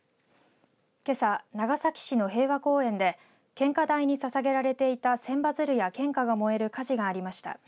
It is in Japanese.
けさ長崎市の平和公園で献花台にささげられていた千羽鶴や献花が燃える火事がありました。